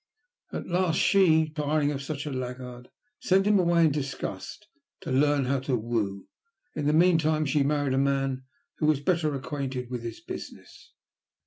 At last she, tiring of such a laggard, sent him away in disgust to learn how to woo. In the meantime she married a man who was better acquainted with his business."